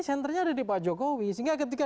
centernya ada di pak jokowi sehingga ketika